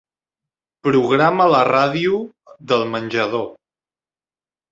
Programa la ràdio del menjador.